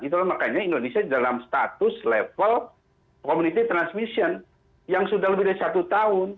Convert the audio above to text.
itulah makanya indonesia dalam status level community transmission yang sudah lebih dari satu tahun